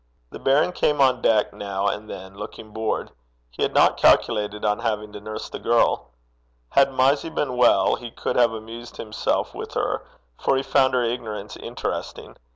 The baron came on deck now and then, looking bored. He had not calculated on having to nurse the girl. Had Mysie been well, he could have amused himself with her, for he found her ignorance interesting.